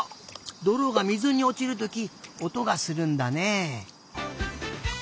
どろが水におちるときおとがするんだね。